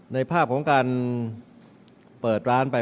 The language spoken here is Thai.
ในภาพของการเปิดร้านไป